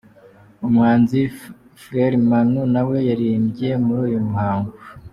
Umuhanzi Frere Manu nawe yaririmbye muri uyu muhango.